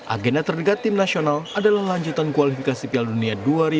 agenda terdekat tim nasional adalah lanjutan kualifikasi piala dunia dua ribu dua puluh